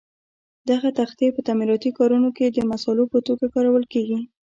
دغه تختې په تعمیراتي کارونو کې د مسالو په توګه کارول کېږي.